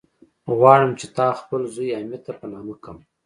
غواړم چې تا خپل زوی، حميد ته په نامه کم.